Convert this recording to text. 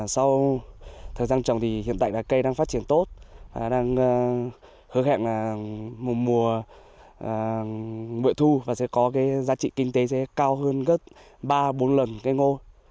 sau thời gian trồng hiện tại cây đang phát triển tốt đang hứa hẹn một mùa nguyện thu và sẽ có giá trị kinh tế cao hơn gấp ba bốn lần cây ngô